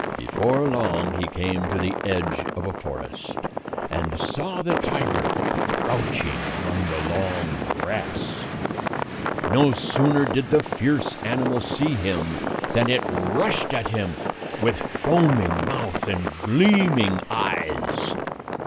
Before long, he came to the edge of a forest, and saw the tiger crouching among the long grass. No sooner did the fierce animal see him than it rushed at him with foaming mouth and gleaming eyes.